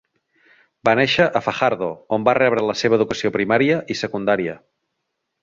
Va néixer a Fajardo on va rebre la seva educació primària i secundària.